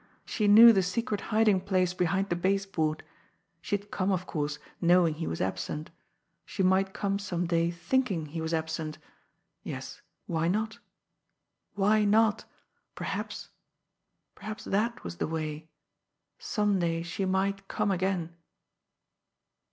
she knew the secret hiding place behind the base board ... she had come, of course, knowing he was absent ... she might come some day thinking he was absent ... yes, why not why not ... perhaps perhaps that was the way ... some day she might come again....